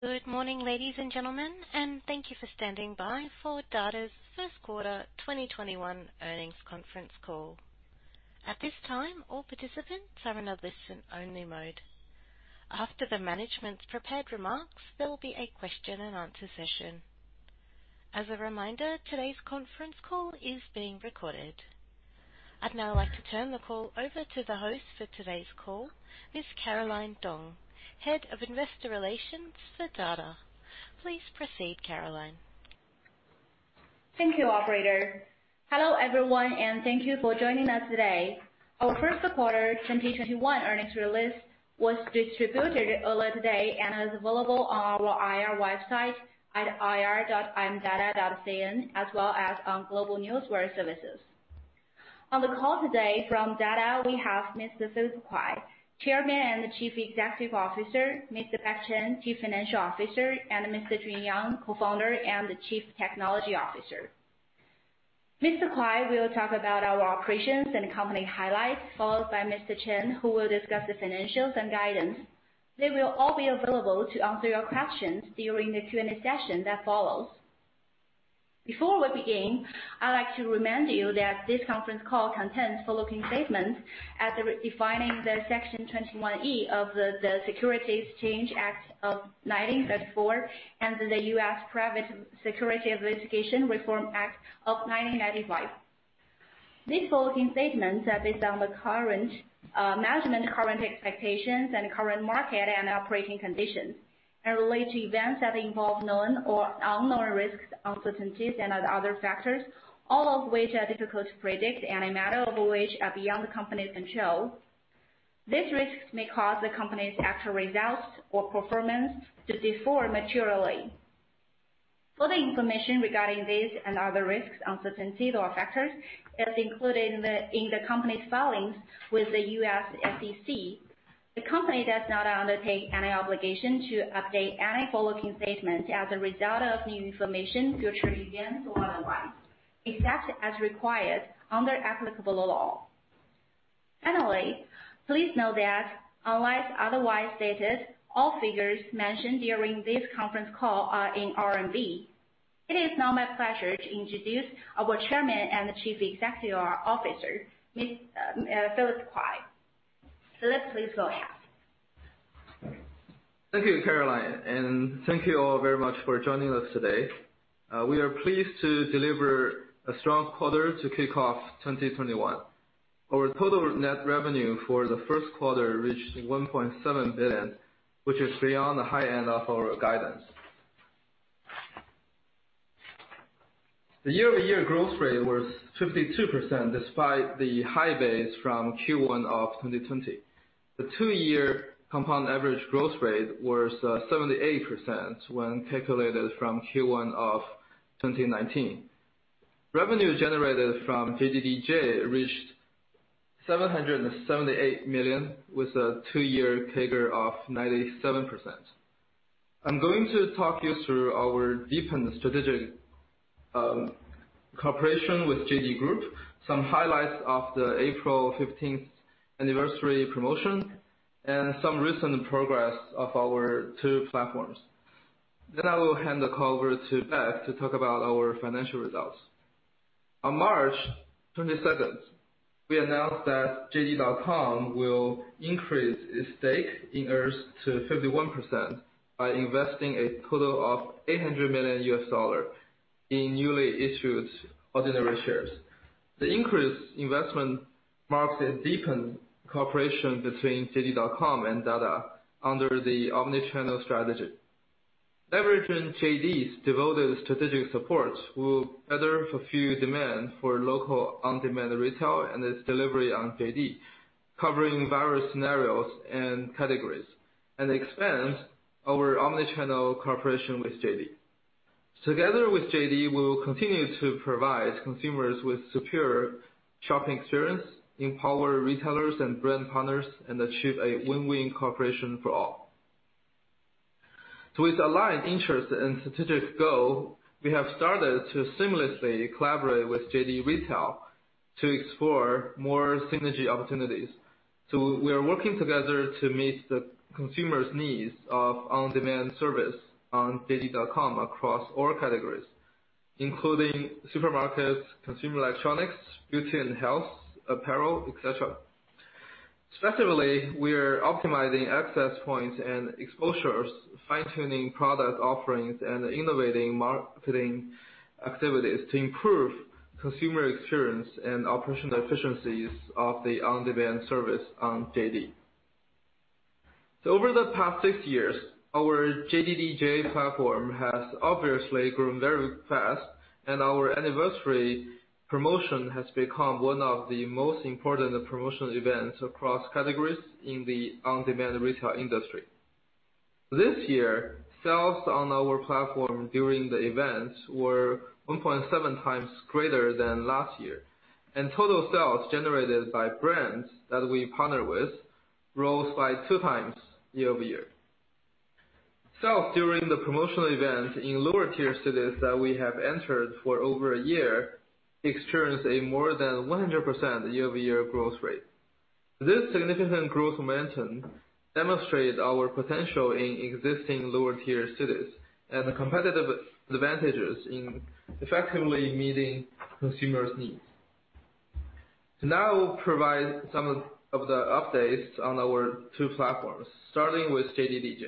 Good morning, ladies and gentlemen, and thank you for standing by for Dada's First Quarter 2021 Earnings Conference Call. At this time, all participants are in a listen only mode. After the management's prepared remarks, there'll be a question and answer session. As a reminder, today's conference call is being recorded. I'd now like to turn the call over to the host for today's call, Ms. Caroline Dong, Head of Investor Relations for Dada. Please proceed, Caroline. Thank you, operator. Hello, everyone, and thank you for joining us today. Our first quarter 2021 earnings release was distributed earlier today and is available on our IR website at ir.imdada.cn, as well as on global newswire services. On the call today from Dada, we have Mr. Philip Kuai, Chairman and Chief Executive Officer, Mr. Beck Chen, Chief Financial Officer, and Mr. Jun Yang, Co-Founder and the Chief Technology Officer. Mr. Kuai will talk about our operations and company highlights, followed by Mr. Chen, who will discuss the financials and guidance. They will all be available to answer your questions during the Q&A session that follows. Before we begin, I'd like to remind you that this conference call contains forward-looking statements as defined in Section 21E of the Securities Exchange Act of 1934 and the U.S. Private Securities Litigation Reform Act of 1995. These forward-looking statements are based on management current expectations and current market and operating conditions, and relate to events that involve known or unknown risks, uncertainties and other factors, all of which are difficult to predict and a number of which are beyond the company's control. These risks may cause the company's actual results or performance to differ materially. Full information regarding these and other risks, uncertainties or factors is included in the company's filings with the U.S. SEC. The company does not undertake any obligation to update any forward-looking statements as a result of new information, future events or otherwise, except as required under applicable law. Finally, please note that unless otherwise stated, all figures mentioned during this conference call are in RMB. It is now my pleasure to introduce our Chairman and Chief Executive Officer, Mr. Philip Kuai. Philip, please go ahead. Thank you, Caroline, and thank you all very much for joining us today. We are pleased to deliver a strong quarter to kick off 2021. Our total net revenue for the first quarter reached 1.7 billion, which is beyond the high end of our guidance. The year-over-year growth rate was 52%, despite the high base from Q1 of 2020. The two-year compound average growth rate was 78% when calculated from Q1 of 2019. Revenue generated from JDDJ reached 778 million, with a two-year CAGR of 97%. I am going to talk you through our deepened strategic cooperation with JD Group, some highlights of the April 15th anniversary promotion, and some recent progress of our two platforms. I will hand the call over to Beck to talk about our financial results. On March 22nd, we announced that JD.com will increase its stake in ours to 51% by investing a total of $800 million in newly issued ordinary shares. The increased investment marks a deepened cooperation between JD.com and Dada under the omni-channel strategy. Leveraging JD's devoted strategic support will better fulfill demand for local on-demand retail and its delivery on JD, covering various scenarios and categories, and expands our omni-channel cooperation with JD. Together with JD, we will continue to provide consumers with secure shopping experience, empower retailers and brand partners, and achieve a win-win cooperation for all. With aligned interests and strategic goal, we have started to seamlessly collaborate with JD Retail to explore more synergy opportunities. We are working together to meet the consumers' needs of on-demand service on JD.com across all categories, including supermarkets, consumer electronics, beauty and health, apparel, et cetera. Strategically, we are optimizing access points and exposures, fine-tuning product offerings, and innovating marketing activities to improve consumer experience and operational efficiencies of the on-demand service on JD. Over the past six years, our JDDJ platform has obviously grown very fast, and our anniversary promotion has become one of the most important promotional events across categories in the on-demand retail industry. This year, sales on our platform during the event were 1.7 times greater than last year, and total sales generated by brands that we partner with rose by two times year-over-year. Sales during the promotional event in lower-tier cities that we have entered for over a year experienced a more than 100% year-over-year growth rate. This significant growth momentum demonstrates our potential in existing lower-tier cities and the competitive advantages in effectively meeting consumers' needs. I will provide some of the updates on our two platforms, starting with JDDJ.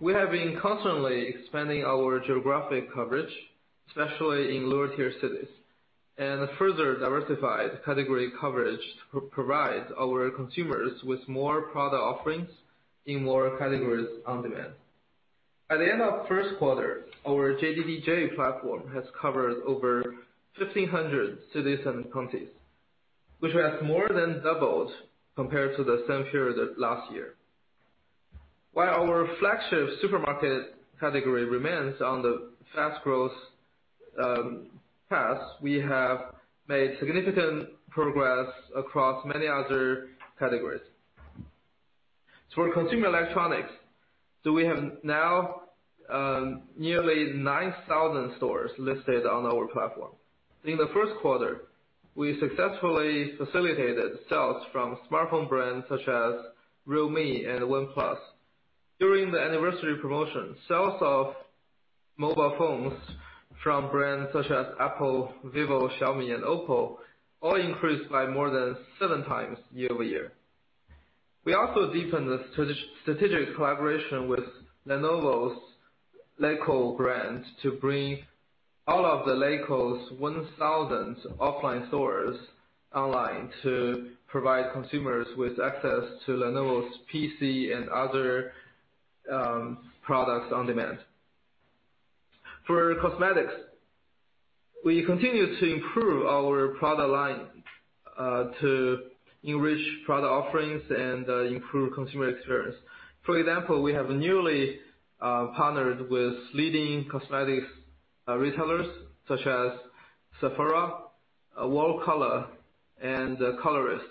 We have been constantly expanding our geographic coverage, especially in lower-tier cities, and further diversified category coverage to provide our consumers with more product offerings in more categories on-demand. At the end of the first quarter, our JDDJ platform has covered over 1,500 cities and counties, which has more than doubled compared to the same period last year. Our flagship supermarket category remains on the fast growth path, we have made significant progress across many other categories. For consumer electronics, we have now nearly 9,000 stores listed on our platform. In the first quarter, we successfully facilitated sales from smartphone brands such as Realme and OnePlus. During the anniversary promotion, sales of mobile phones from brands such as Apple, Vivo, Xiaomi, and Oppo all increased by more than seven times year-over-year. We also deepened the strategic collaboration with Lenovo's Lecoo brand to bring all of the Lecoo's 1,000 offline stores online to provide consumers with access to Lenovo's PC and other products on-demand. For cosmetics, we continue to improve our product line to enrich product offerings and improve consumer experience. For example, we have newly partnered with leading cosmetics retailers such as Sephora, WOW COLOUR, and The Colorist.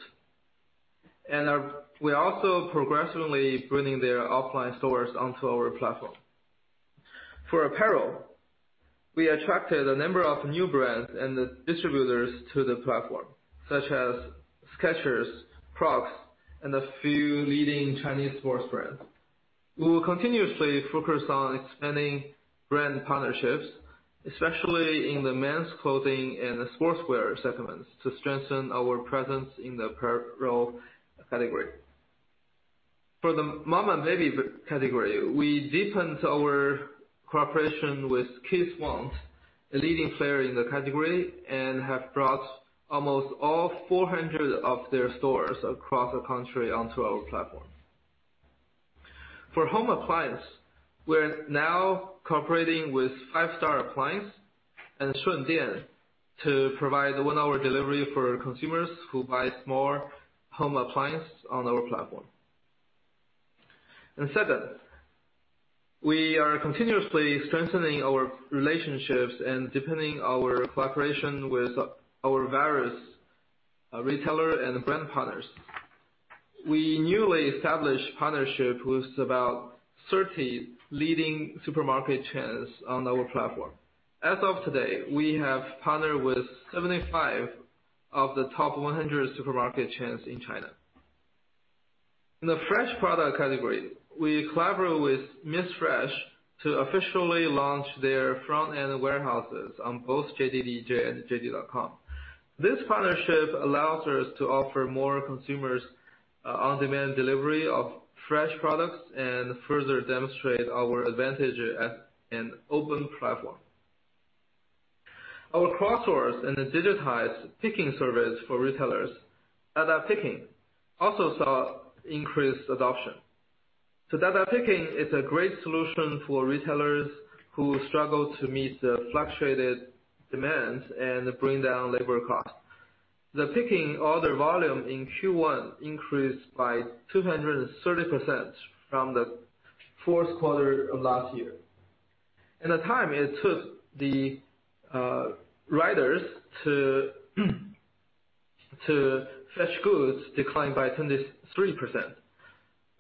We're also progressively bringing their offline stores onto our platform. For apparel, we attracted a number of new brands and distributors to the platform, such as Skechers, Crocs, and a few leading Chinese sports brands. We will continuously focus on expanding brand partnerships, especially in the men's clothing and sportswear segments, to strengthen our presence in the apparel category. For the mom and baby category, we deepened our cooperation with Kidswant, a leading player in the category, and have brought almost all 400 of their stores across the country onto our platform. For home appliance, we are now cooperating with Five Star Appliance and Shun Dian to provide one-hour delivery for consumers who buy small home appliance on our platform. Second, we are continuously strengthening our relationships and deepening our collaboration with our various retailer and brand partners. We newly established partnerships with about 30 leading supermarket chains on our platform. As of today, we have partnered with 75 of the top 100 supermarket chains in China. In the fresh product category, we collaborated with Missfresh to officially launch their front-end warehouses on both JDDJ and JD.com. This partnership allows us to offer more consumers on-demand delivery of fresh products and further demonstrate our advantage as an open platform. Our outsource and digitized picking service for retailers, Dada Picking, also saw increased adoption. Dada Picking is a great solution for retailers who struggle to meet the fluctuated demands and bring down labor costs. The picking order volume in Q1 increased by 230% from the fourth quarter of last year. The time it took the riders to fetch goods declined by 23%.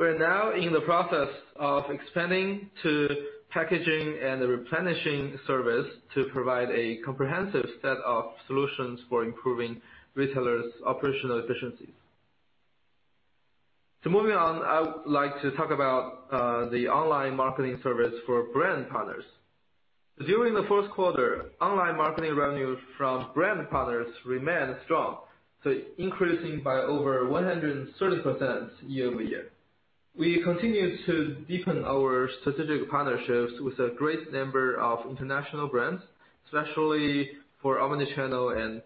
We're now in the process of expanding to packaging and replenishing service to provide a comprehensive set of solutions for improving retailers' operational efficiency. Moving on, I would like to talk about the online marketing service for brand partners. During the first quarter, online marketing revenue from brand partners remained strong, increasing by over 130% year-over-year. We continue to deepen our strategic partnerships with a great number of international brands, especially for omni-channel and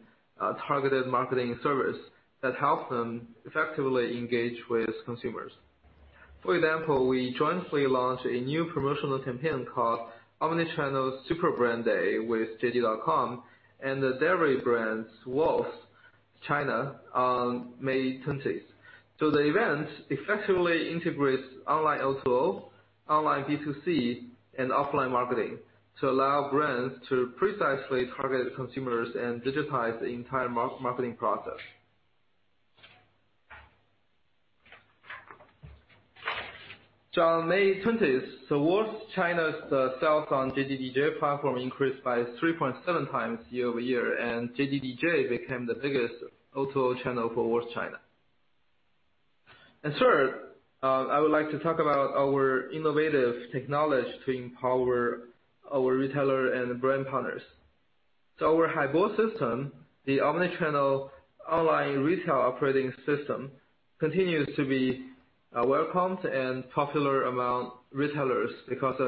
targeted marketing service that helps them effectively engage with consumers. For example, we jointly launched a new promotional campaign called Omni-Channel Super Brand Day with JD.com and the dairy brand Wall's China on May 20th. The event effectively integrates online O2O, online B2C, and offline marketing to allow brands to precisely target consumers and digitize the entire marketing process. During May 20th, Wall's China's sales on JDDJ platform increased by 3.7 times year-over-year, and JDDJ became the biggest O2O channel for Wall's China. Third, I would like to talk about our innovative technology to empower our retailer and brand partners. Our Haibo system, the omni-channel online retail operating system, continues to be welcomed and popular among retailers because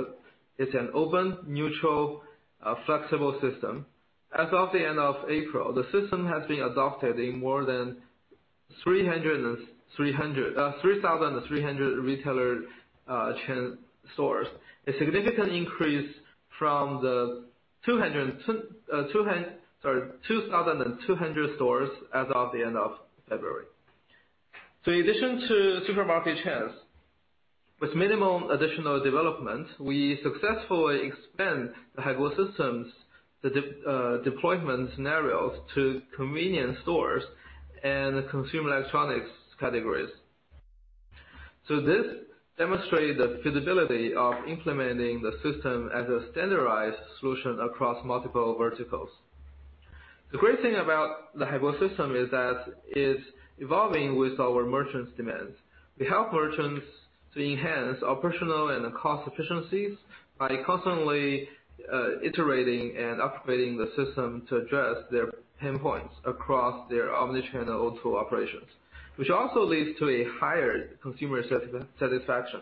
it's an open, neutral, flexible system. As of the end of April, the system has been adopted in more than 3,300 retailer chain stores, a significant increase from the 2,200 stores as of the end of February. In addition to supermarket chains, with minimal additional developments, we successfully expand the Haibo systems, the deployment scenarios to convenience stores and consumer electronics categories. This demonstrates the feasibility of implementing the system as a standardized solution across multiple verticals. The great thing about the Haibo system is that it's evolving with our merchants' demands. We help merchants to enhance operational and cost efficiencies by constantly iterating and upgrading the system to address their pain points across their omni-channel O2O operations, which also leads to a higher consumer satisfaction.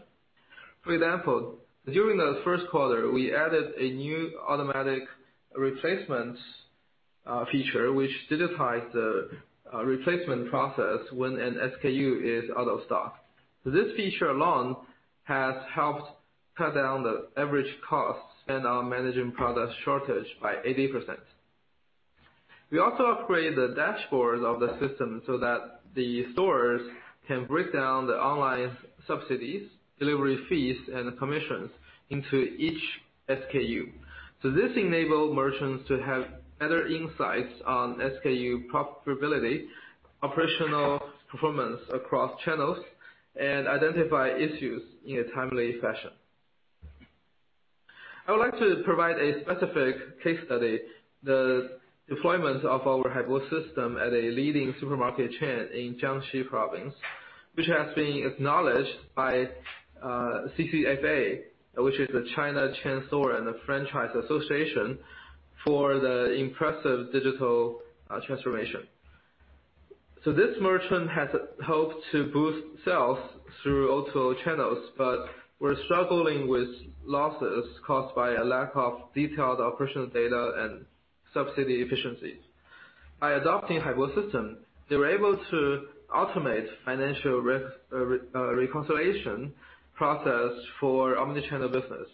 For example, during the first quarter, we added a new automatic replacement feature which digitized the replacement process when an SKU is out of stock. This feature alone has helped cut down the average costs and our managing product shortage by 80%. We also upgraded the dashboard of the system so that the stores can break down the online subsidies, delivery fees, and commissions into each SKU. This enabled merchants to have better insights on SKU profitability, operational performance across channels, and identify issues in a timely fashion. I would like to provide a specific case study, the deployment of our Haibo system at a leading supermarket chain in Jiangxi Province, which has been acknowledged by CCFA, which is the China Chain Store and Franchise Association, for the impressive digital transformation. This merchant has helped to boost sales through O2O channels but was struggling with losses caused by a lack of detailed operational data and subsidy efficiencies. By adopting Haibo system, they were able to automate financial reconciliation process for omni-channel business.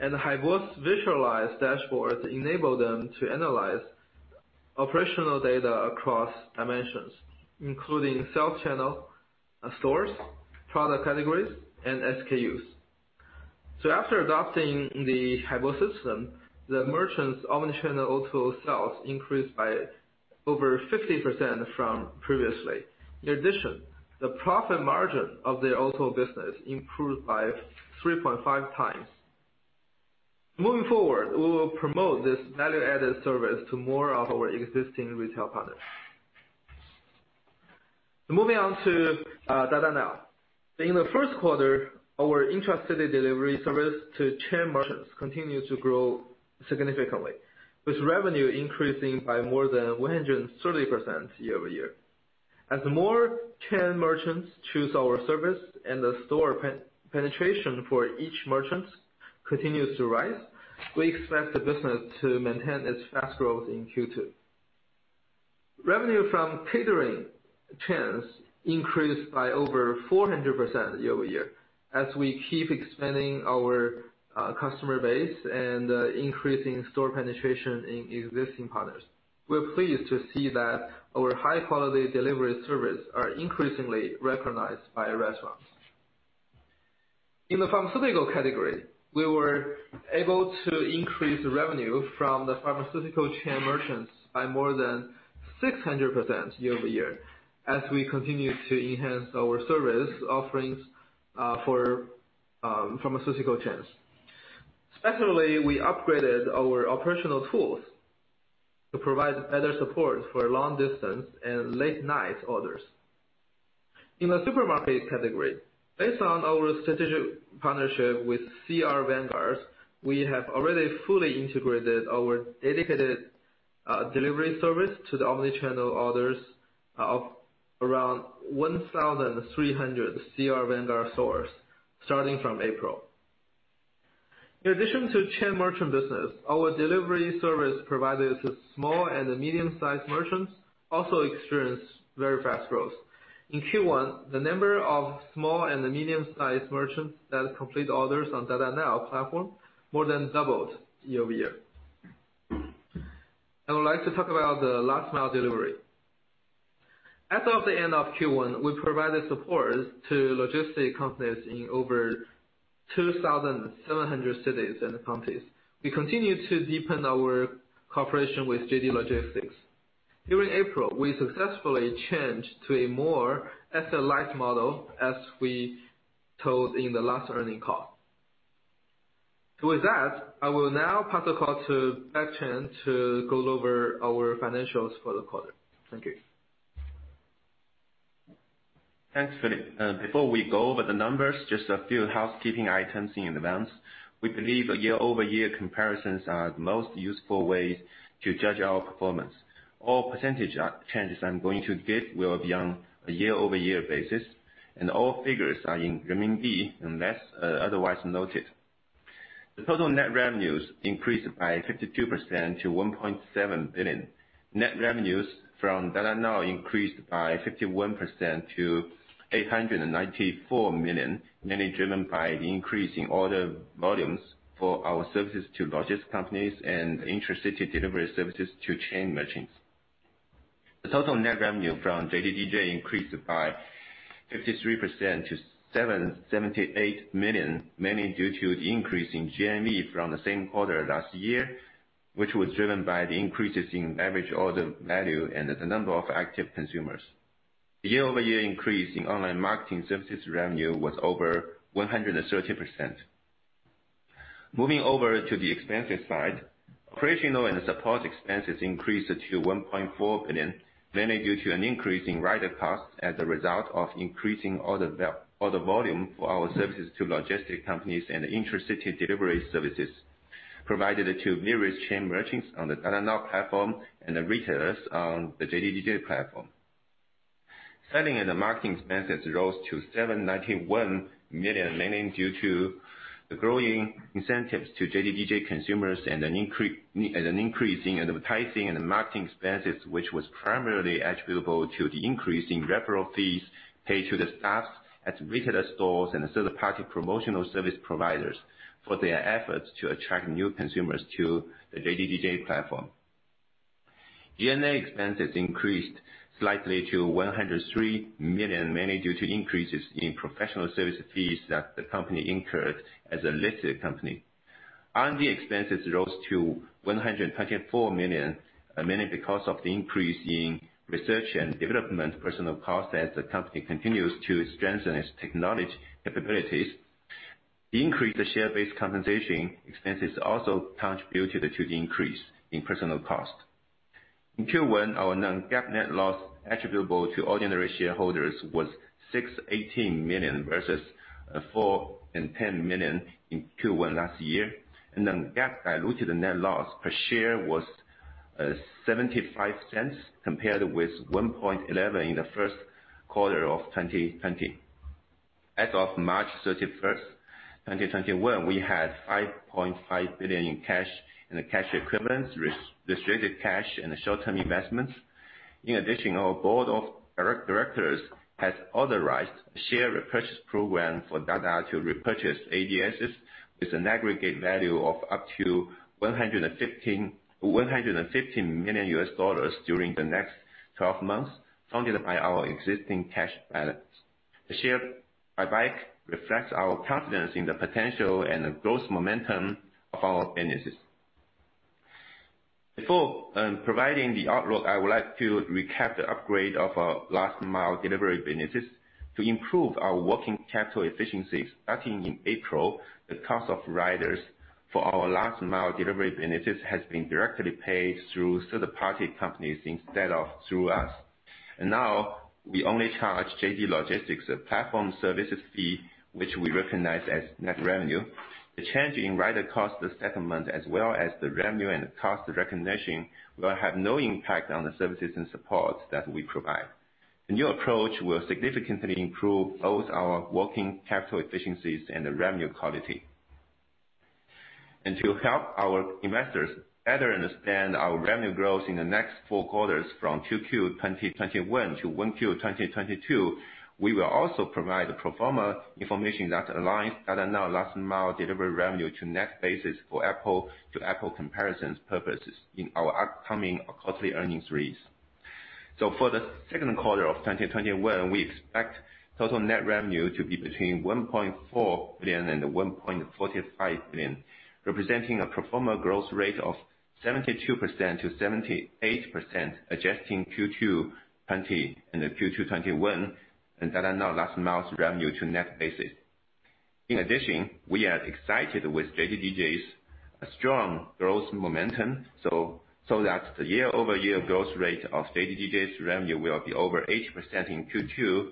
Haibo's visualized dashboards enable them to analyze operational data across dimensions, including sales channel, stores, product categories, and SKUs. After adopting the Haibo system, the merchant's omni-channel O2O sales increased by over 50% from previously. In addition, the profit margin of the O2O business improved by 3.5 times. Moving forward, we will promote this value-added service to more of our existing retail partners. Moving on to Dada Now. In the first quarter, our intra-city delivery service to chain merchants continued to grow significantly, with revenue increasing by more than 130% year-over-year. As more chain merchants choose our service and the store penetration for each merchant continues to rise, we expect the business to maintain its fast growth in Q2. Revenue from catering chains increased by over 400% year-over-year, as we keep expanding our customer base and increasing store penetration in existing partners. We're pleased to see that our high-quality delivery service are increasingly recognized by restaurants. In the pharmaceutical category, we were able to increase revenue from the pharmaceutical chain merchants by more than 600% year-over-year, as we continue to enhance our service offerings for pharmaceutical chains. Especially, we upgraded our operational tools to provide better support for long-distance and late-night orders. In the supermarket category, based on our strategic partnership with CR Vanguard, we have already fully integrated our dedicated delivery service to the omni-channel orders of around 1,300 CR Vanguard stores, starting from April. In addition to chain merchant business, our delivery service provided to small and medium-sized merchants also experienced very fast growth. In Q1, the number of small and medium-sized merchants that complete orders on Dada Now platform more than doubled year-over-year. I would like to talk about the last mile delivery. As of the end of Q1, we provided support to logistics companies in over 2,700 cities and counties. We continue to deepen our cooperation with JD Logistics. During April, we successfully changed to a more asset-light model as we told in the last earning call. With that, I will now pass the call to Beck Chen to go over our financials for the quarter. Thank you. Thanks, Philip. Before we go over the numbers, just a few housekeeping items in advance. We believe year-over-year comparisons are the most useful way to judge our performance. All percentage changes I'm going to give will be on a year-over-year basis, and all figures are in renminbi unless otherwise noted. The total net revenues increased by 52% to 1.7 billion. Net revenues from Dada Now increased by 51% to 894 million, mainly driven by the increase in order volumes for our services to logistics companies and intra-city delivery services to chain merchants. The total net revenue from JDDJ increased by 53% to 778 million, mainly due to the increase in GMV from the same quarter last year, which was driven by the increases in average order value and the number of active consumers. The year-over-year increase in online marketing services revenue was over 130%. Moving over to the expenses side, operational and support expenses increased to 1.4 billion, mainly due to an increase in rider costs as a result of increasing order volume for our services to logistics companies and intra-city delivery services provided to various chain merchants on the Dada Now platform and the retailers on the JDDJ platform. Selling and the marketing expenses rose to 791 million, mainly due to the growing incentives to JDDJ consumers and an increase in advertising and marketing expenses, which was primarily attributable to the increase in referral fees paid to the staffs at retailer stores and third-party promotional service providers for their efforts to attract new consumers to the JDDJ platform. G&A expenses increased slightly to 103 million, mainly due to increases in professional service fees that the company incurred as a listed company. R&D expenses rose to 124 million, mainly because of the increase in research and development personnel costs as the company continues to strengthen its technology capabilities. The increase in share-based compensation expenses also contributed to the increase in personnel cost. In Q1, our non-GAAP net loss attributable to ordinary shareholders was 618 million versus 410 million in Q1 last year. The non-GAAP diluted net loss per share was 0.75 compared with 1.11 in the first quarter of 2020. As of March 31st, 2021, we had 5.5 billion in cash and cash equivalents, restricted cash, and short-term investments. In addition, our board of directors has authorized a share repurchase program for Dada to repurchase ADSs with an aggregate value of up to $115 million during the next 12 months, funded by our existing cash balance. The share buyback reflects our confidence in the potential and the growth momentum of our businesses. Before providing the outlook, I would like to recap the upgrade of our last mile delivery businesses. To improve our working capital efficiency, starting in April, the cost of riders for our last mile delivery businesses has been directly paid through third-party companies instead of through us. Now, we only charge JD Logistics a platform services fee, which we recognize as net revenue. The change in rider cost settlement as well as the revenue and cost recognition will have no impact on the services and support that we provide. The new approach will significantly improve both our working capital efficiencies and revenue quality. To help our investors better understand our revenue growth in the next four quarters from 2Q 2021 to 1Q 2022, we will also provide pro forma information that aligns Dada Now last-mile delivery revenue to net basis for apple-to-apple comparisons purposes in our upcoming quarterly earnings release. For the second quarter of 2021, we expect total net revenue to be between 1.4 billion and 1.45 billion, representing a pro forma growth rate of 72%-78%, adjusting 2Q 2020 and 2Q 2021 and Dada Now last-mile's revenue to net basis. In addition, we are excited with JDDJ's strong growth momentum, so that the year-over-year growth rate of JDDJ's revenue will be over 80% in 2Q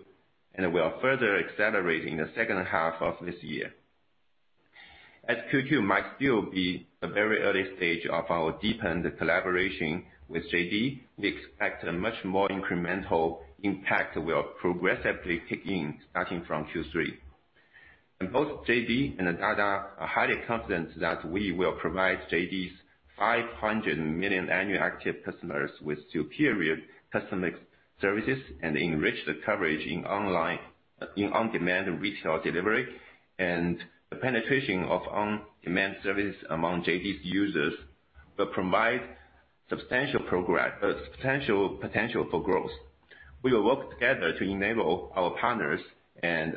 and will further accelerate in the second half of this year. As 2Q might still be a very early stage of our deepened collaboration with JD, we expect a much more incremental impact will progressively kick in starting from Q3. Both JD and Dada are highly confident that we will provide JD's 500 million annual active customers with superior customer services and enrich the coverage in on-demand retail delivery and the penetration of on-demand services among JD's users will provide potential for growth. We will work together to enable our partners and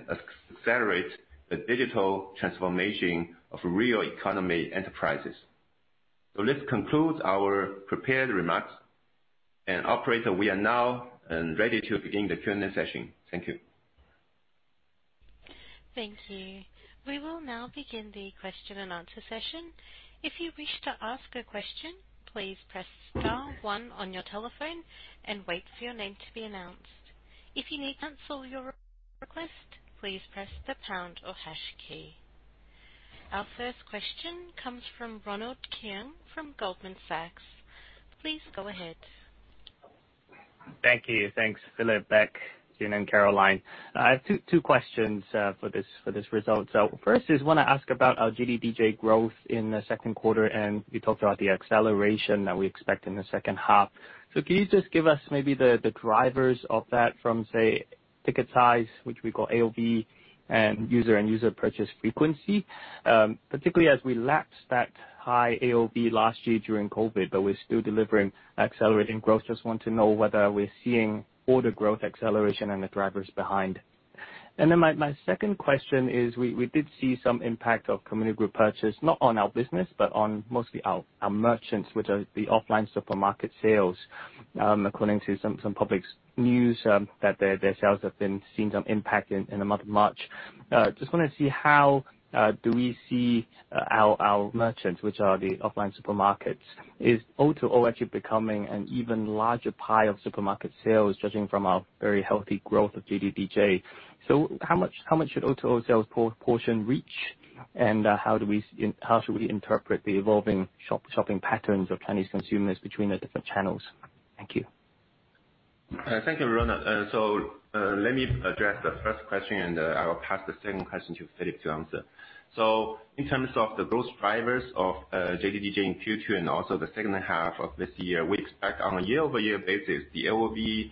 accelerate the digital transformation of real economy enterprises. This concludes our prepared remarks. Operator, we are now ready to begin the Q&A session. Thank you. Thank you. We will now begin the question and answer session. If you wish to ask a question, please press star one on your telephone and wait for your name to be announced. If you need cancel your request, please press the pound or hash key. Our first question comes from Ronald Keung from Goldman Sachs. Please go ahead. Thank you. Thanks, Philip, Beck, Jun, and Caroline. I have two questions for these results. First is I want to ask about our JDDJ growth in the second quarter, and you talked about the acceleration that we expect in the second half. Please just give us maybe the drivers of that from, say, ticket size, which we got AOV and user and purchase frequency, particularly as we lapse that high AOV last year during COVID, but we're still delivering accelerating growth. Just want to know whether we're seeing all the growth acceleration and the drivers behind. My second question is we did see some impact of community group purchase, not on our business, but on mostly our merchants, which are the offline supermarket sales. According to some public news that their sales have been seeing some impact in the month of March. Just want to see how do we see our merchants, which are the offline supermarkets, is O2O actually becoming an even larger pie of supermarket sales, judging from our very healthy growth of JDDJ? How much should O2O sales proportion reach, and how should we interpret the evolving shopping patterns of Chinese consumers between the different channels? Thank you. Thank you, Ronald. Let me address the first question, and I will pass the second question to Philip to answer. In terms of the growth drivers of JDDJ in Q2 and also the second half of this year, we expect on a year-over-year basis, the AOV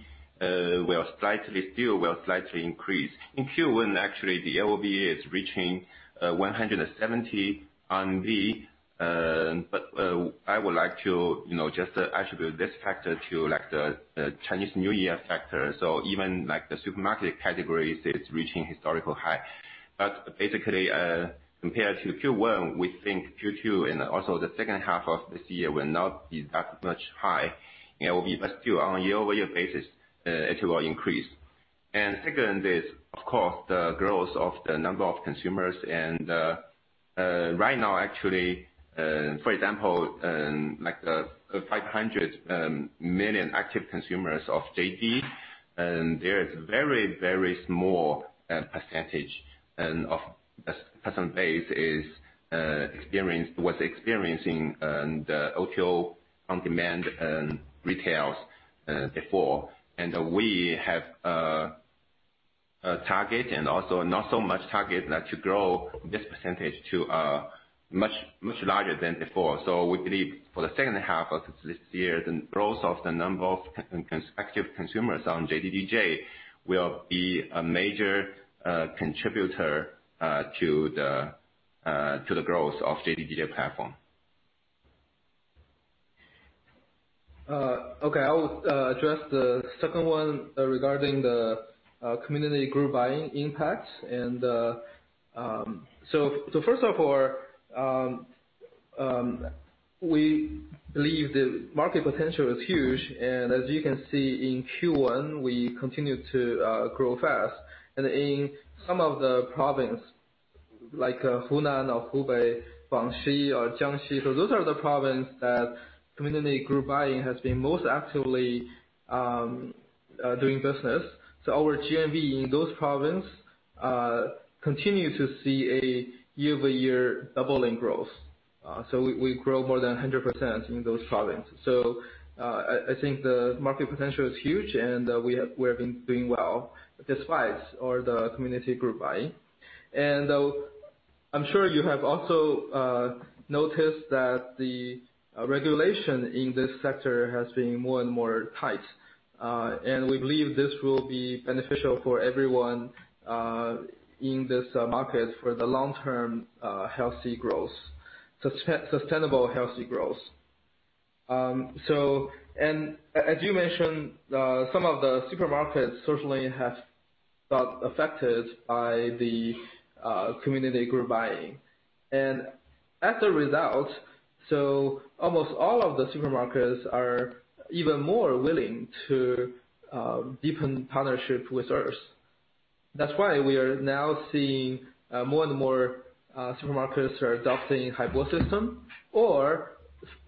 still will slightly increase. In Q1, actually, the AOV is reaching 170. I would like to attribute this factor to the Chinese New Year factor. Even the supermarket category is reaching historical high. Basically, compared to Q1, we think Q2 and also the second half of this year will not be that much high. Still on a year-over-year basis, it will increase. Second is, of course, the growth of the number of consumers. Right now actually, for example, 500 million active consumers of JD, there is a very small percentage of the customer base was experiencing the O2O on-demand retail before. We have a target and also not so much target, like to grow this percentage to much larger than before. We believe for the second half of this year, the growth of the number of active consumers on JDDJ will be a major contributor to the growth of JDDJ platform. I will address the second one regarding the community group buying impact. First of all, we believe the market potential is huge, and as you can see in Q1, we continued to grow fast. In some of the provinces, like Hunan or Hubei, Jiangxi or Guangxi, those are the provinces that community group buying has been most actively doing business. Our GMV in those provinces continue to see a year-over-year doubling growth. We grow more than 100% in those provinces. I think the market potential is huge, and we have been doing well despite all the community group buying. I'm sure you have also noticed that the regulation in this sector has been more and more tight. We believe this will be beneficial for everyone in this market for the long-term healthy growth, sustainable healthy growth. And as you mentioned, some of the supermarkets certainly have got affected by the community group buying. As a result, almost all of the supermarkets are even more willing to deepen partnership with us. That's why we are now seeing more and more supermarkets are adopting Haibo system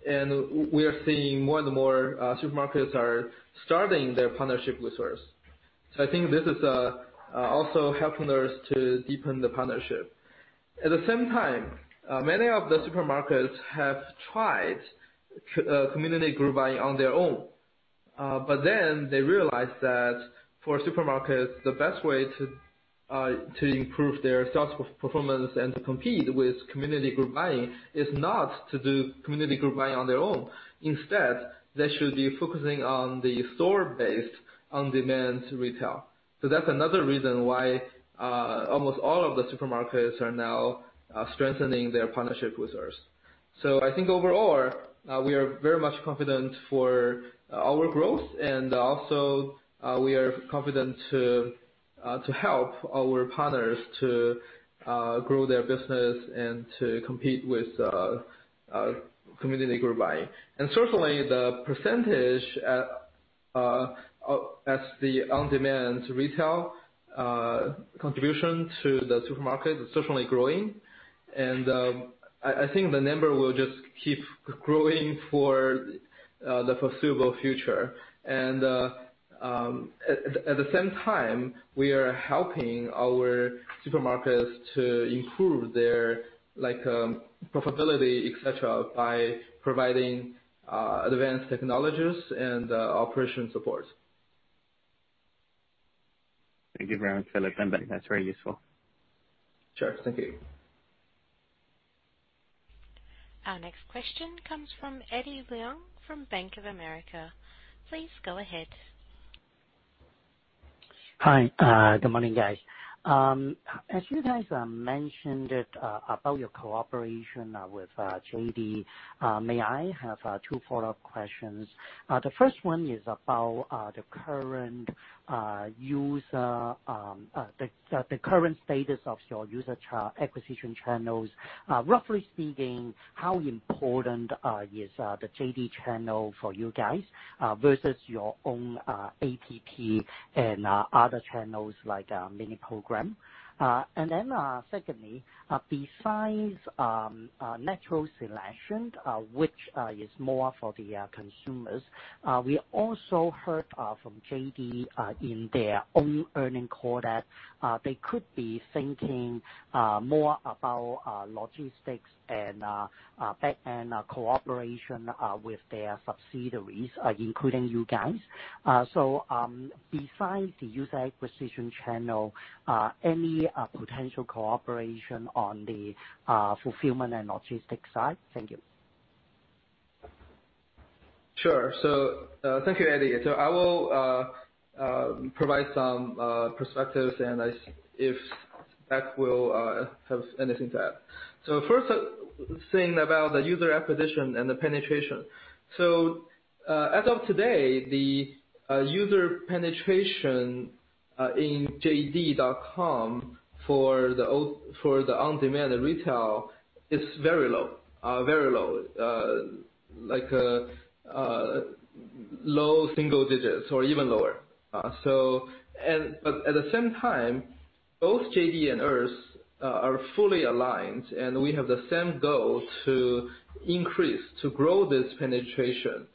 and we are seeing more and more supermarkets are starting their partnership with us. I think this is also helping us to deepen the partnership. At the same time, many of the supermarkets have tried community group buying on their own. They realized that for supermarkets, the best way to improve their sales performance and to compete with community group buying is not to do community group buying on their own. Instead, they should be focusing on the store-based on-demand retail. That's another reason why almost all of the supermarkets are now strengthening their partnership with us. I think overall, we are very much confident for our growth and also we are confident to help our partners to grow their business and to compete with community group buying. Certainly, the percentage at the on-demand retail contribution to the supermarket is certainly growing, and I think the number will just keep growing for the foreseeable future. At the same time, we are helping our supermarkets to improve their profitability, et cetera, by providing advanced technologies and operation support. Thank you very much for the comment. That's very useful. Sure. Thank you. Our next question comes from Eddie Leung from Bank of America. Please go ahead. Hi. Good morning, guys. As you guys mentioned it about your cooperation with JD, may I have two follow-up questions? The first one is about the current status of your user acquisition channels. Roughly speaking, how important is the JD channel for you guys versus your own app and other channels, like mini program? Secondly, besides natural selection, which is more for the consumers, we also heard from JD in their own earning call that they could be thinking more about logistics and back-end cooperation with their subsidiaries, including you guys. Besides the user acquisition channel, any potential cooperation on the fulfillment and logistics side? Thank you. Sure. Thank you, Eddie. I will provide some perspectives, and if Beck will have anything to add. First thing about the user acquisition and the penetration. As of today, the user penetration in JD.com for the on-demand retail is very low. Like low single digits or even lower. At the same time, both JD and us are fully aligned, and we have the same goal to grow this penetration.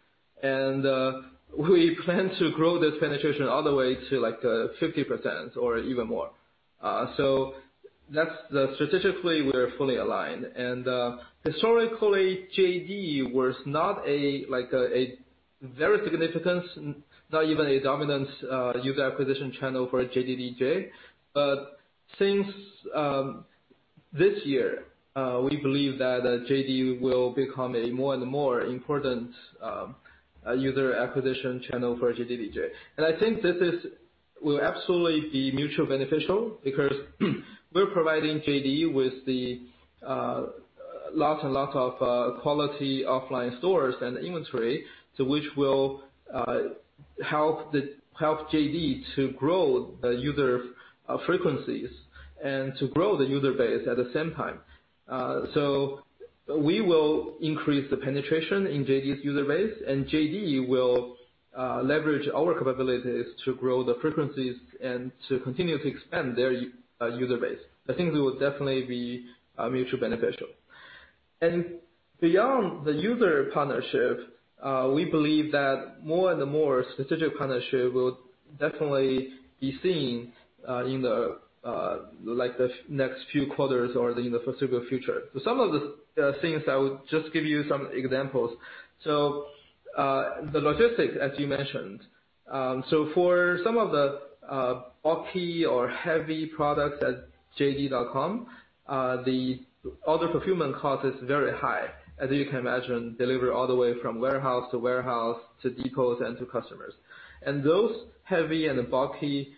We plan to grow this penetration all the way to 50% or even more. Strategically, we are fully aligned. Historically, JD was not a very significant, not even a dominant user acquisition channel for JDDJ. Since this year, we believe that JD will become a more and more important user acquisition channel for JDDJ. I think this will absolutely be mutually beneficial because we're providing JD with the lots and lots of quality offline stores and inventory, to which will help JD to grow the user frequencies and to grow the user base at the same time. We will increase the penetration in JD's user base, and JD will leverage our capabilities to grow the frequencies and to continue to expand their user base. I think it will definitely be mutually beneficial. Beyond the user partnership, we believe that more and more strategic partnership will definitely be seen in the next few quarters or in the foreseeable future. Some of the things, I would just give you some examples. The logistics, as you mentioned. For some of the bulky or heavy products at JD.com, the order fulfillment cost is very high. Delivery all the way from warehouse to warehouse to depots and to customers. Those heavy and bulky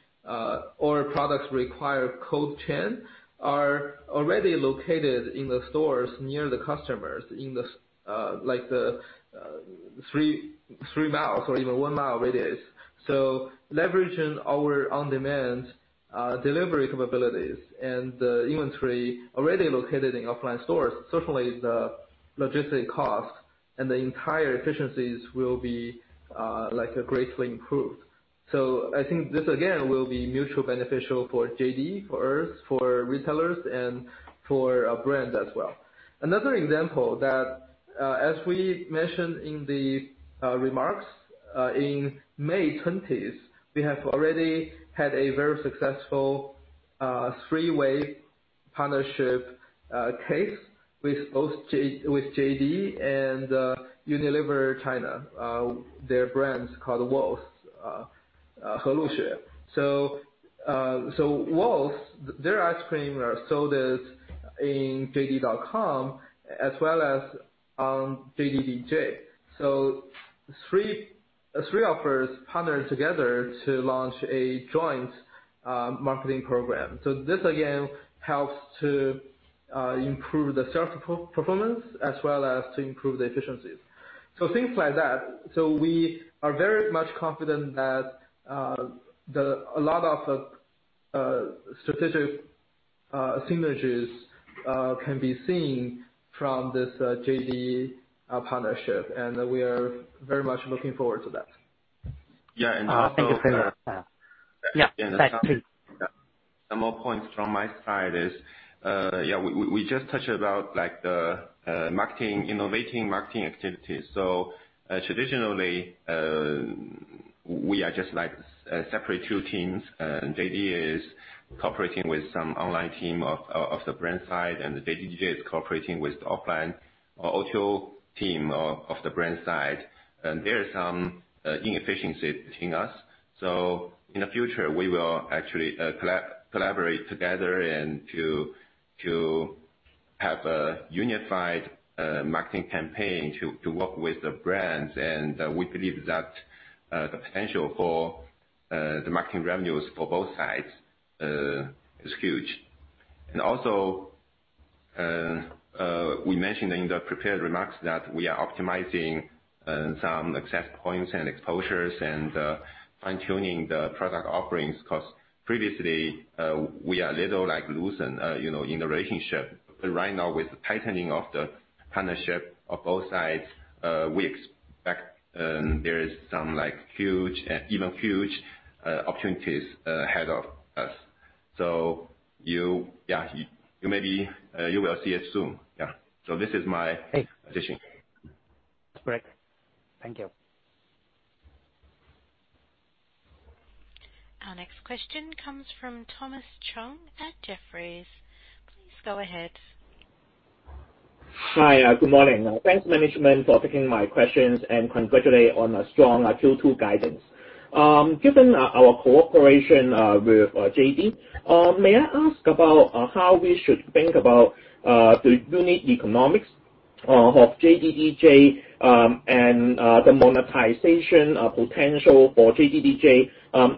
order products require cold chain, are already located in the stores near the customers, in the three miles or even one-mile radius. Leveraging our on-demand delivery capabilities and the inventory already located in offline stores, certainly the logistic cost and the entire efficiencies will be greatly improved. I think this again, will be mutually beneficial for JD, for us, for retailers, and for our brand as well. Another example that, as we mentioned in the remarks, in May 20th, we have already had a very successful three-way partnership case with JD and Unilever China. Their brand is called Wall's. Wall's, they're actually sold in JD.com as well as on JDDJ. Three of us partnered together to launch a joint marketing program. This again helps to improve the sales performance as well as improve the efficiency. Things like that. We are very much confident that a lot of strategic synergies can be seen from this JD partnership, and we are very much looking forward to that. Yeah. Some more points from my side is, we just touched about innovating marketing activities. Traditionally, we are just like separate two teams, and JD is cooperating with some online team of the brand side, and JDDJ is cooperating with the offline or O2O team of the brand side. There are some inefficiencies between us. In the future, we will actually collaborate together and to have a unified marketing campaign to work with the brands. We believe that the potential for the marketing revenues for both sides is huge. Also, we mentioned in the prepared remarks that we are optimizing some access points and exposures and fine-tuning the product offerings because previously, we are a little loose in the relationship. Right now, with the tightening of the partnership of both sides, we expect there is some even huge opportunities ahead of us. Maybe you will see it soon. Yeah. This is my addition. Great. Thank you. Our next question comes from Thomas Chong at Jefferies. Please go ahead. Hi. Good morning. Thanks management for taking my questions and congratulate on a strong Q2 guidance. Given our cooperation with JD, may I ask about how we should think about the unique economics of JDDJ and the monetization potential for JDDJ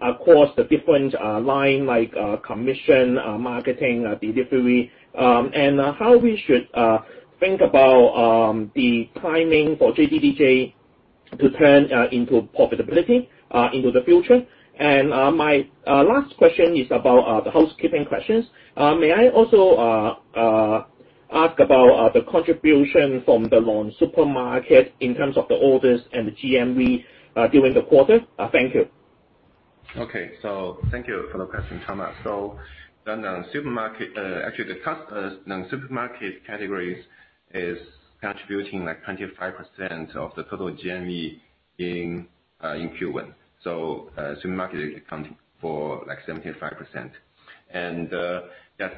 across the different lines like commission, marketing, and delivery? How we should think about the timing for JDDJ to turn into profitability into the future? My last question is about the housekeeping questions. May I also ask about the contribution from the non-supermarket in terms of the orders and the GMV during the quarter? Thank you. Okay. Thank you for the question, Thomas. Actually, the non-supermarket category is contributing 25% of the total GMV in Q1. Supermarkets account for 75%.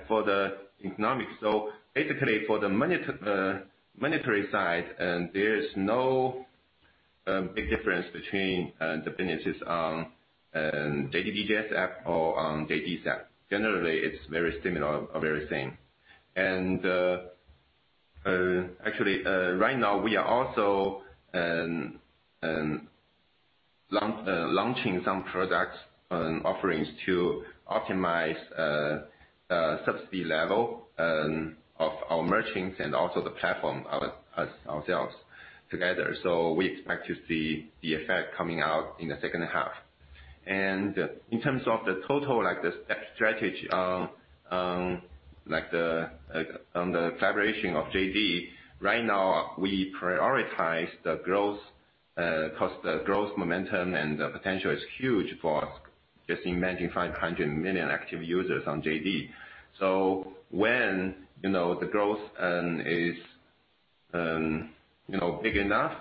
For the economics, basically for the monetary side, there is no big difference between the businesses on JDDJ's app or on JD's app. Generally, it's very similar or very same. Actually, right now we are also launching some product offerings to optimize subsidy level of our merchants and also the platform ourselves together. We expect to see the effect coming out in the second half. In terms of the total strategy on the collaboration of JD, right now we prioritize the growth because the growth momentum and the potential is huge for just imagine 500 million active users on JD. When the growth is big enough,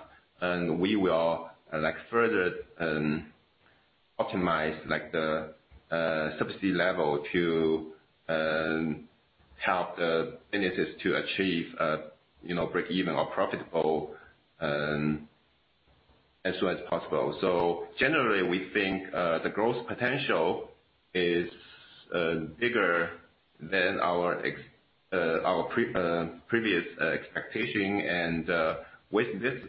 we will further optimize the subsidy level to help the businesses to achieve breakeven or profitable as soon as possible. Generally, we think the growth potential is bigger than our previous expectation. With this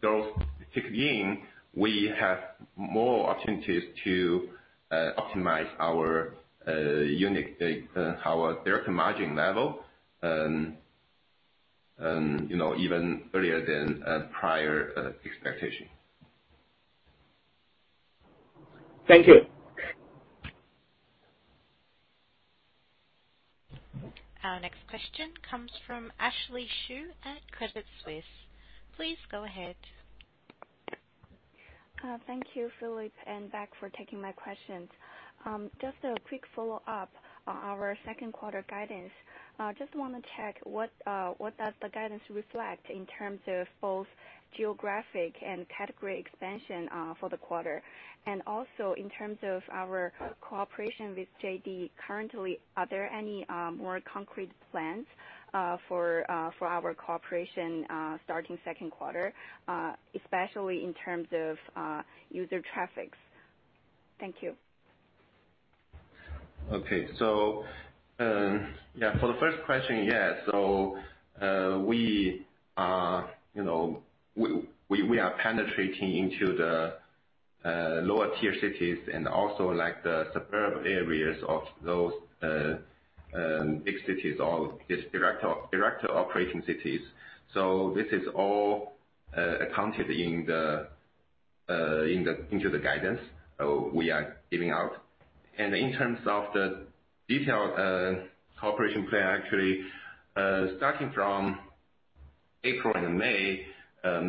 growth kicking in, we have more opportunities to optimize our direct margin level even earlier than prior expectation. Thank you. Our next question comes from Ashley Xu at Credit Suisse. Please go ahead. Thank you, Philip and Beck for taking my questions. Just a quick follow-up on our second quarter guidance. Just want to check what does the guidance reflect in terms of both geographic and category expansion for the quarter? Also in terms of our cooperation with JD currently, are there any more concrete plans for our cooperation starting second quarter, especially in terms of user traffic? Thank you. Okay. For the first question, we are penetrating into the lower tier cities and also the suburb areas of those big cities or these direct operation cities. This is all accounted into the guidance we are giving out. In terms of the detailed cooperation plan, actually, starting from April and May,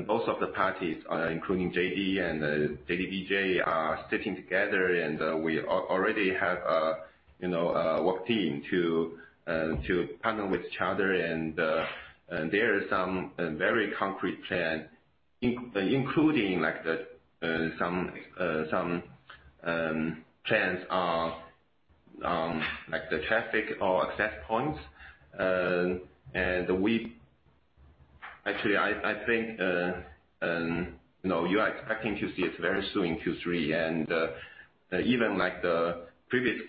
both of the parties, including JD and JDDJ, are sticking together and we already have a work team to partner with each other and there are some very concrete plans, including some plans are the traffic or access points. Actually, I think you're expecting to see it very soon in Q3. Even the previous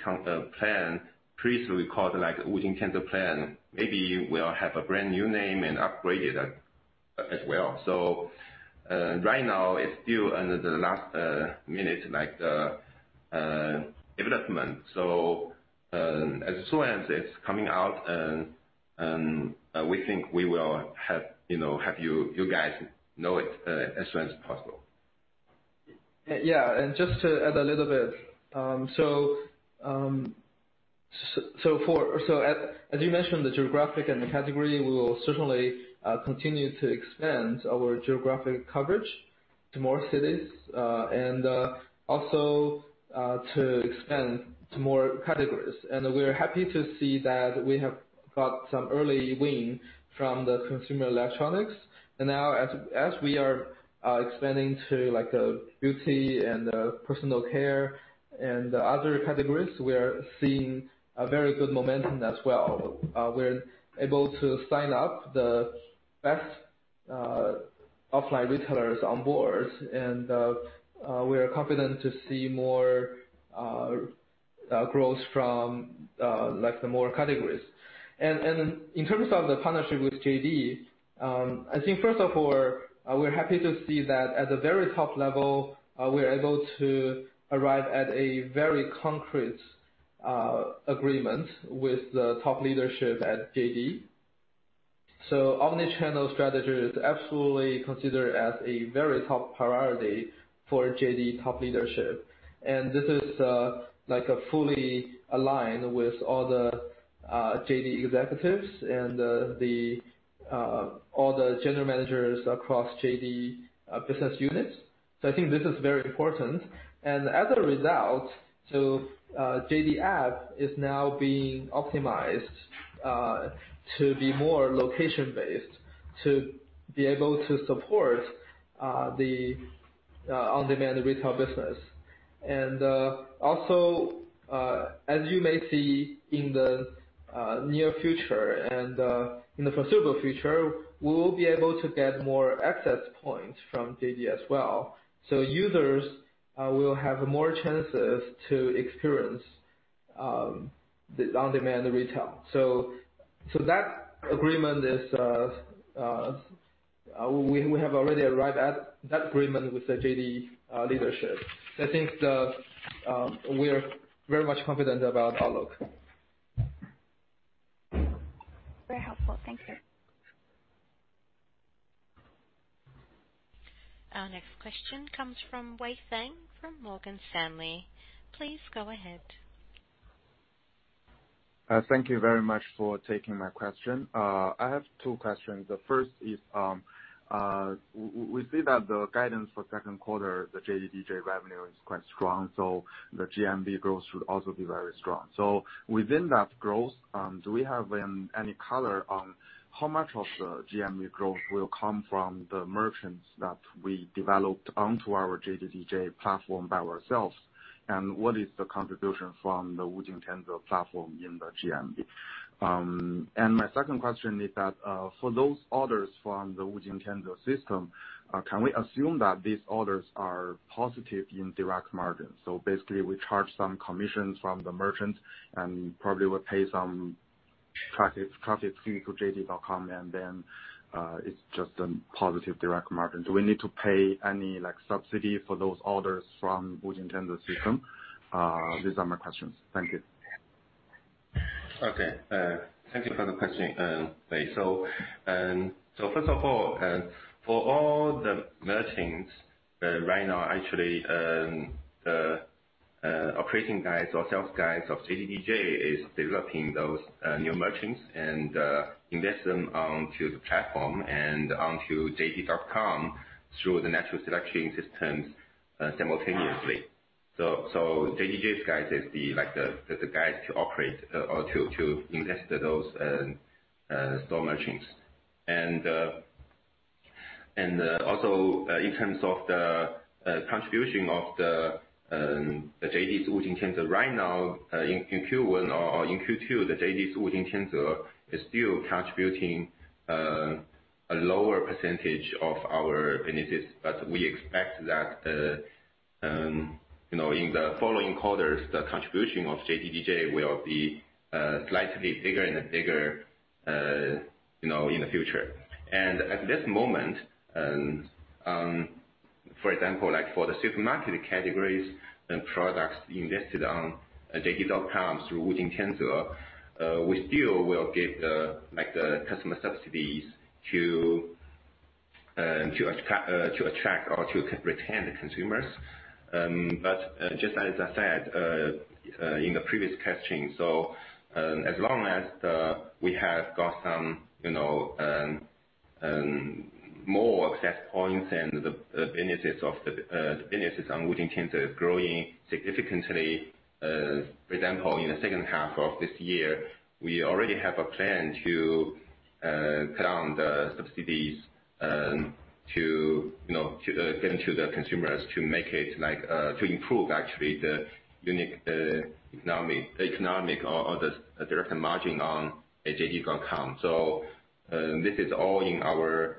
plan, previously called the Wujingtianze plan, maybe we'll have a brand new name and upgrade it as well. Right now it's still under the last minute of development. As soon as it's coming out, we think we will have you guys know it as soon as possible. Yeah. Just to add a little bit. As you mentioned, the geographic and the category, we will certainly continue to expand our geographic coverage to more cities, and also to expand to more categories. We are happy to see that we have got some early wins from the consumer electronics. Now as we are expanding to beauty and personal care and the other categories, we are seeing a very good momentum as well. We're able to sign up the best offline retailers on board, and we are confident to see more growth from more categories. In terms of the partnership with JD, I think first of all, we're happy to see that at the very top level, we're able to arrive at a very concrete agreement with the top leadership at JD. Omni-channel strategy is absolutely considered as a very top priority for JD top leadership. This is fully aligned with all the JD executives and all the general managers across JD business units. I think this is very important. As a result, JD app is now being optimized to be more location-based, to be able to support the on-demand retail business. Also, as you may see in the near future and in the foreseeable future, we will be able to get more access points from JD as well. Users will have more chances to experience the on-demand retail. That agreement, we have already arrived at that agreement with the JD leadership. I think we are very much confident about the outlook. Very helpful. Thank you. Our next question comes from Wei Fang from Morgan Stanley. Please go ahead. Thank you very much for taking my question. I have two questions. The first is, we see that the guidance for second quarter, the JDDJ revenue is quite strong, the GMV growth should also be very strong. Within that growth, do we have any color on how much of the GMV growth will come from the merchants that we developed onto our JDDJ platform by ourselves? What is the contribution from the Wujingtianze platform in the GMV? My second question is that, for those orders from the Wujingtianze system, can we assume that these orders are positive in direct margin? Basically, we charge some commissions from the merchant, and probably will pay some traffic fee to JD.com, and then it's just a positive direct margin. Do we need to pay any subsidy for those orders from Wujingtianze system? These are my questions. Thank you. Thank you for the question, Wei. First of all, for all the merchants right now, actually, operation guys or sales guys of JDDJ is developing those new merchants and invest them onto the platform and onto JD.com through the natural selection systems simultaneously. JDDJ guys is the guys to invest those store merchants. In terms of the contribution of the JD's Wujingtianze right now in Q1 or in Q2, the JD's Wujingtianze is still contributing a lower percentage of our benefits. We expect in the following quarters, the contribution of JDDJ will be slightly bigger and bigger in the future. At this moment, for example, for the supermarket categories and products invested on JD.com through Wujingtianze, we still will give customer subsidies to attract or to retain the consumers. Just as I said in the previous caching, as long as we have got some more access points and the benefits on Wujingtianze are growing significantly. For example, in the second half of this year, we already have a plan to cut down the subsidies sold to the consumers to improve actually the unique economic or the different margin on JD.com. This is all in our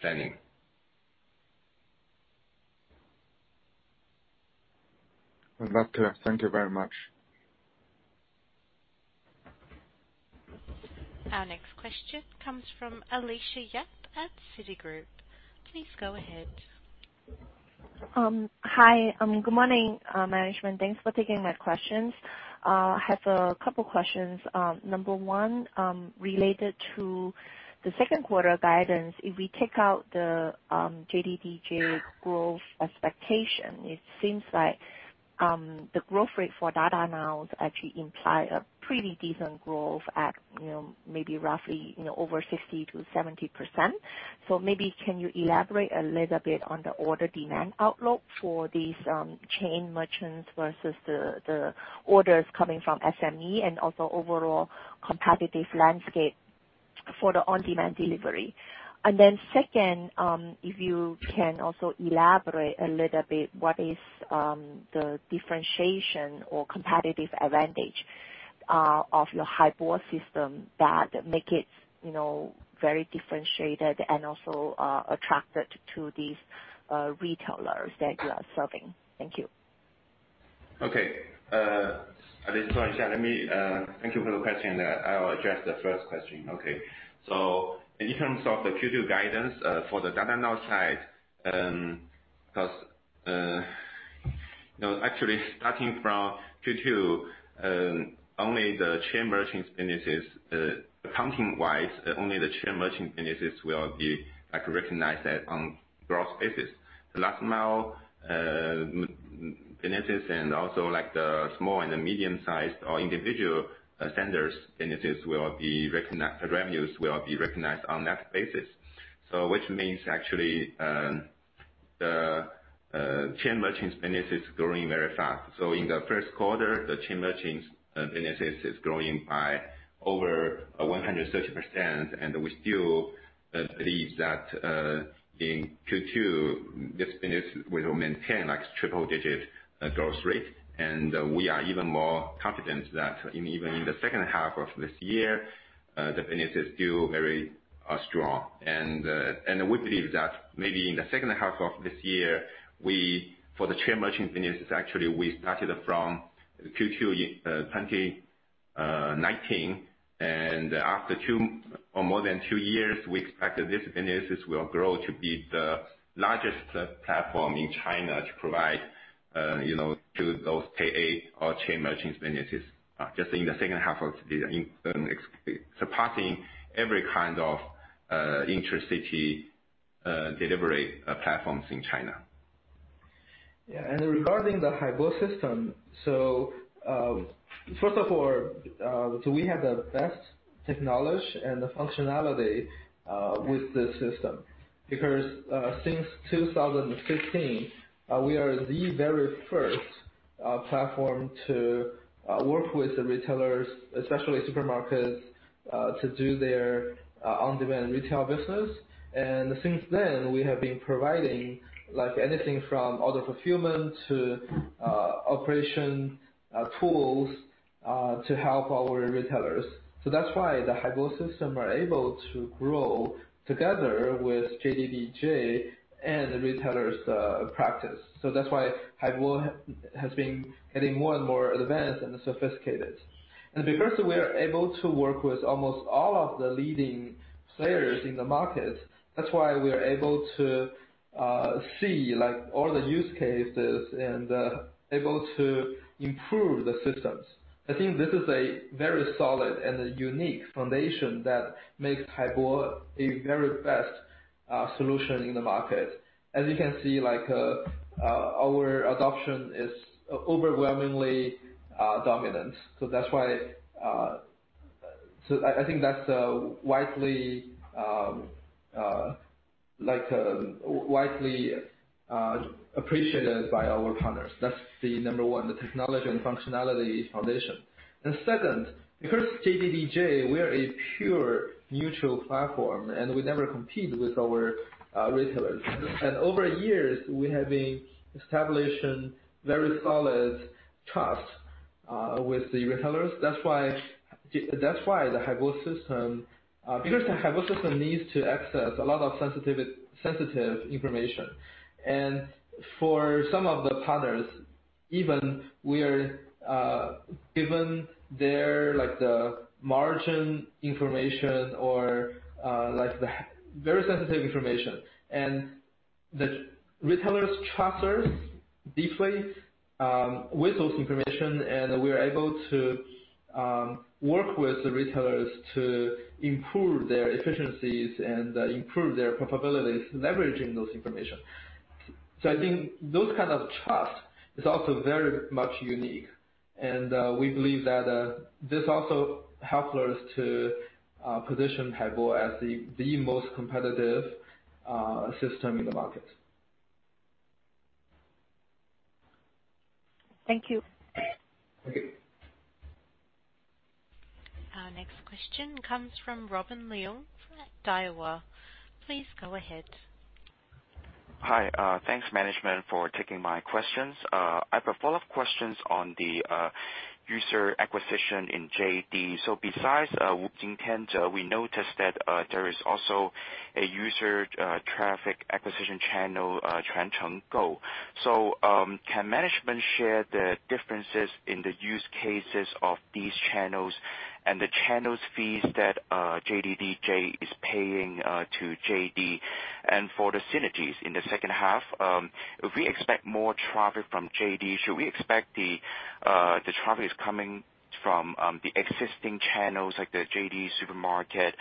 planning. Thank you very much. Our next question comes from Alicia Yap at Citigroup. Please go ahead. Hi. Good morning. Management, thanks for taking my questions. I have a couple questions. Number one, related to the second quarter guidance. If you take out the JDDJ growth expectation, it seems like the growth rate for Dada Now actually imply a pretty decent growth at maybe roughly over 50%-70%. Maybe can you elaborate a little bit on the order demand outlook for these chain merchants versus the orders coming from SME and also overall competitive landscape for the on-demand delivery? Second, if you can also elaborate a little bit what is the differentiation or competitive advantage of your Haibo system that make it very differentiated and also attractive to these retailers that you are serving? Thank you. Okay. Thank you for the question. I will address the first question. Okay. In terms of the Q2 guidance for the Dada Now side, actually starting from Q2, accounting-wise, only the chain merchant benefits will be recognized on gross basis. The last mile benefits and also the small and the medium-sized or individual senders revenues will be recognized on net basis. Which means actually the chain merchant benefits growing very fast. In the first quarter, the chain merchant benefits is growing by over 130%, and we still believe that in Q2 this benefits will maintain triple-digit growth rate. We are even more confident that even in the second half of this year, the benefits is still very strong. We believe that maybe in the second half of this year, for the chain merchant benefits, actually we started from Q2 2019, and after more than two years, we expect that this benefits will grow to be the largest platform in China to provide those KA or chain merchant benefits just in the second half of this year, surpassing every kind of intra-city delivery platforms in China. Regarding the Haibo system, first of all, we have the best technology and functionality with this system because since 2015, we are the very first platform to work with the retailers, especially supermarkets, to do their on-demand retail business. Since then we have been providing anything from order fulfillment to operation tools to help our retailers. That's why the Haibo system are able to grow together with JDDJ and the retailer's practice. That's why Haibo has been getting way more advanced and sophisticated. Because we are able to work with almost all of the leading players in the market, that's why we're able to see all the use cases and able to improve the systems. I think this is a very solid and unique foundation that makes Haibo a very best solution in the market. As you can see, our adoption is overwhelmingly dominant. I think that's widely appreciated by our partners. That's the number one, the technology and functionality foundation. Second, because JDDJ, we are a pure mutual platform, and we never compete with our retailers. Over the years we have been establishing very solid trust with the retailers. That's why the Haibo system because the Haibo system needs to access a lot of sensitive information. For some of the partners, even we are given their margin information or very sensitive information. The retailers trust us deeply with those information, and we're able to work with the retailers to improve their efficiencies and improve their profitability leveraging those information. I think those kind of trust is also very much unique. We believe that this also helps us to position Haibo as the most competitive system in the market. Thank you. Okay. Our next question comes from Robin Leung at Daiwa. Please go ahead. Hi. Thanks management for taking my questions. I have a lot of questions on the user acquisition in JD. Besides we noticed that there is also a user traffic acquisition channel. Can management share the differences in the use cases of these channels and the channels fees that JDDJ is paying to JD? For the synergies in the second half, if we expect more traffic from JD, should we expect the traffic is coming from the existing channels like the JD supermarket,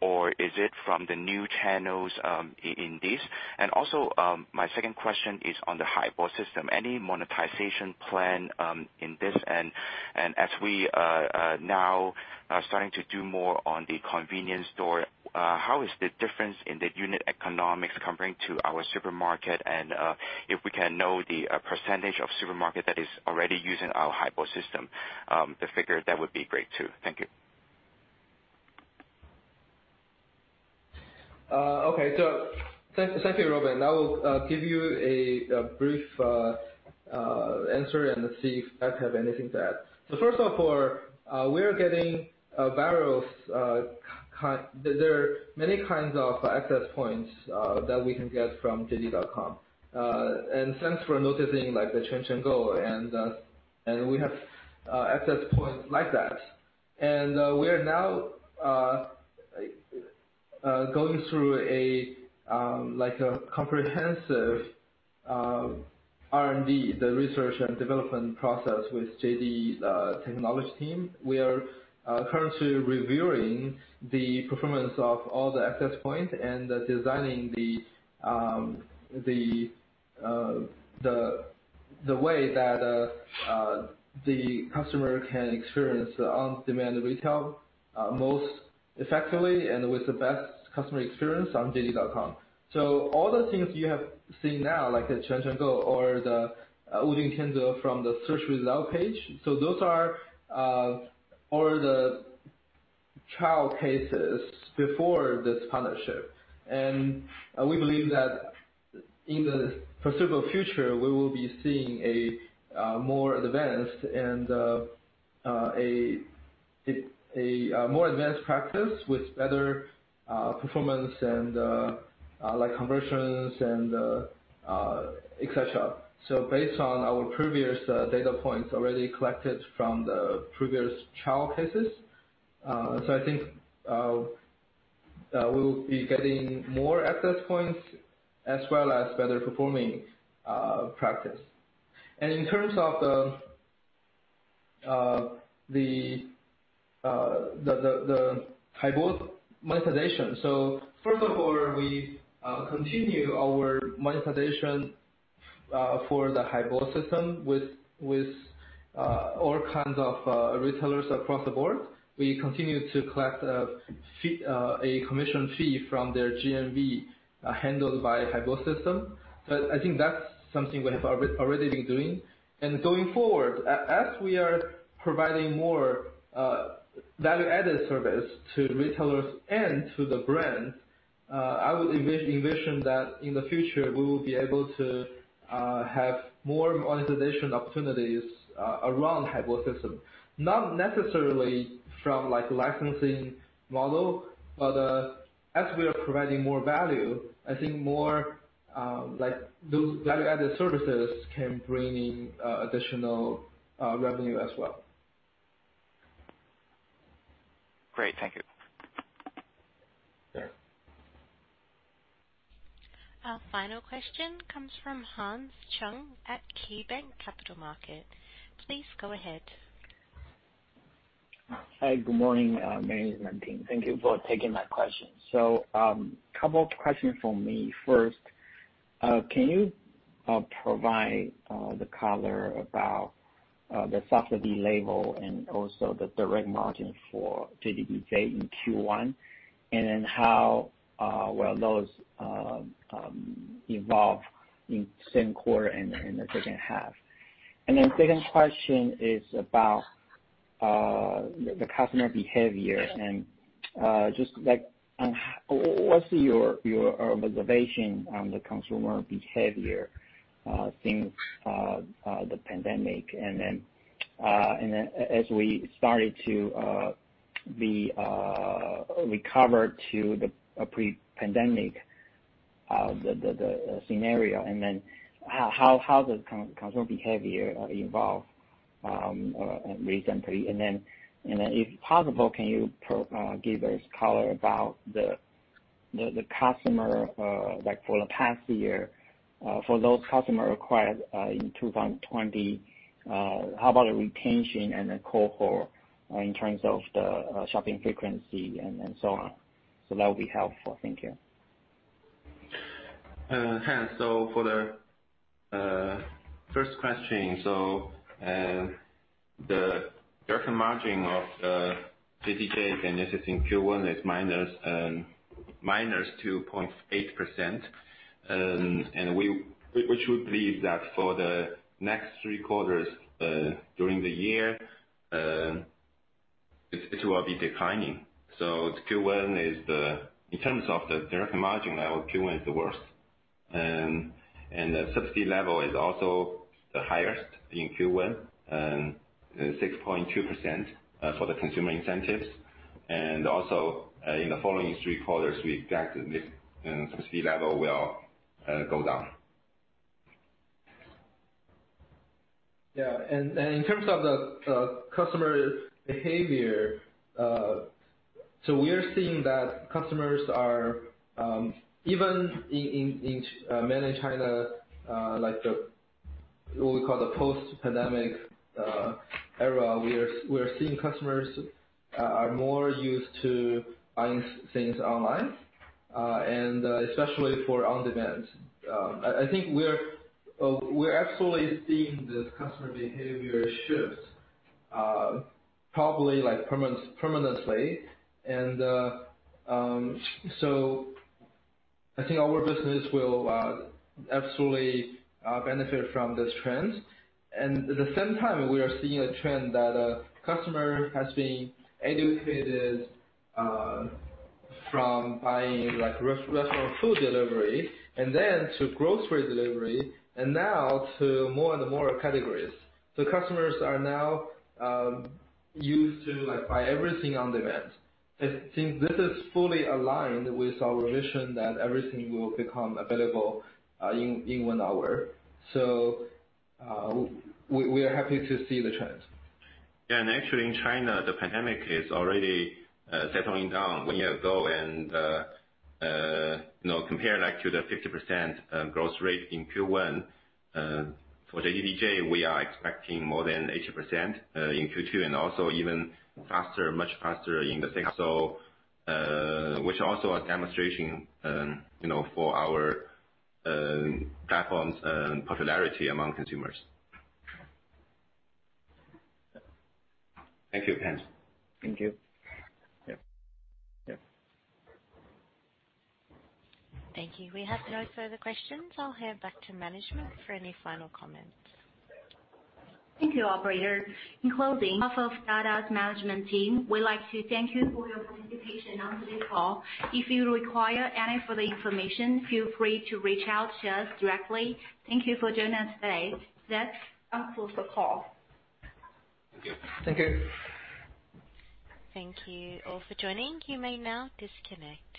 or is it from the new channels in this? Also, my second question is on the Haibo system. Any monetization plan in this? As we are now starting to do more on the convenience store, how is the difference in the unit economics comparing to our supermarket? If we can know the percentage of supermarket that is already using our Haibo system, the figure, that would be great, too. Thank you. Okay. Thank you, Robin. I will give you a brief answer and see if Beck have anything to add. First of all, there are many kinds of access points that we can get from JD.com. Thanks for noticing, and we have access points like that. We are now going through a comprehensive R&D, the research and development process with JD technology team. We are currently reviewing the performance of all the access points and designing the way that the customer can experience the on-demand retail most effectively and with the best customer experience on JD.com. All the things you have seen now, like the [Chuan Chuan Gou] or the Wujingtianze from the search result page, those are all the trial cases before this partnership. We believe that in the foreseeable future, we will be seeing a more advanced practice with better performance and conversions, et cetera. Based on our previous data points already collected from the previous trial cases, I think that we'll be getting more access points as well as better performing practice. In terms of the Haibo monetization. First of all, we continue our monetization for the Haibo system with all kinds of retailers across the board. We continue to collect a commission fee from their GMV handled by Haibo system. I think that's something we have already been doing. Going forward, as we are providing more value-added service to retailers and to the brand, I would envision that in the future, we will be able to have more monetization opportunities around Haibo system. Not necessarily from a licensing model, but as we are providing more value, I think more value-added services can bring in additional revenue as well. Great. Thank you. Sure. Our final question comes from Hans Chung at KeyBanc Capital Markets. Please go ahead. Hi, good morning. Thank you for taking my questions. Couple questions from me. First, can you provide the color about the subsidy level and also the direct margin for JDDJ in Q1? How will those evolve in the same quarter and in the second half? Second question is about the customer behavior, and just what's your observation on the consumer behavior since the pandemic? As we started to recover to the pre-pandemic, the scenario, how does consumer behavior evolve recently? If possible, can you give us color about the customer for the past year, for those customer acquired in 2020, how about the retention and the cohort in terms of the shopping frequency and so on? That would be helpful. Thank you. For the first question, the direct margin of JDDJ in Q1 is -2.8%, which we believe that for the next three quarters during the year, it will be declining. In terms of the direct margin level, Q1 is the worst. The subsidy level is also the highest in Q1, 6.2% for the consumer incentives. In the following three quarters, we expect the subsidy level will go down. Yeah. In terms of the customer behavior, we are seeing that customers are, even in mainland China, what we call the post-pandemic era, we are seeing customers are more used to buying things online, and especially for on-demand. I think we're actually seeing this customer behavior shift probably permanently. I think our business will absolutely benefit from this trend. At the same time, we are seeing a trend that a customer has been educated from buying restaurant food delivery and then to grocery delivery, and now to more and more categories. Customers are now used to buy everything on-demand. I think this is fully aligned with our vision that everything will become available in one hour. We are happy to see the trends. Actually in China, the pandemic is already settling down one year ago. Compared to the 50% growth rate in Q1, for JDDJ, we are expecting more than 80% in Q2 and also even faster, much faster in the third quarter, which also a demonstration for our platform's popularity among consumers. Thank you, Beck. Thank you. Thank you. We have no further questions. I will hand back to management for any final comments. Thank you, operator. In closing of Dada's management team, we would like to thank you for your participation on today's call. If you require any further information, feel free to reach out to us directly. Thank you for joining us today. That is all for the call. Thank you. Thank you all for joining. You may now disconnect.